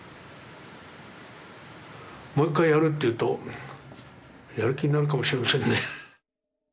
もう一回やるというとやる気になるかもしれませんね。